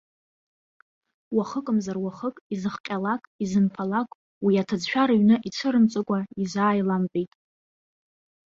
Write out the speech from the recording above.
Уахыкымзар-уахык изыхҟьалакизынԥалак уи аҭыӡшәа рыҩны ицәырымҵкәа изааиламтәеит.